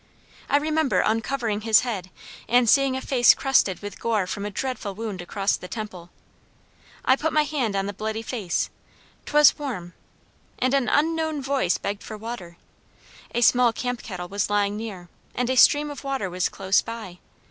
I remember uncovering his head and seeing a face crusted with gore from a dreadful wound across the temple. I put my hand on the bloody face; 'twas warm; and an unknown voice begged for water; a small camp kettle was lying near, and a stream of water was close by.